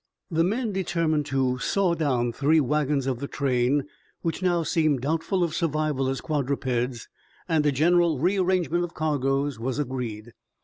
The men determined to saw down three wagons of the train which now seemed doubtful of survival as quadrupeds, and a general rearrangement of cargoes was agreed.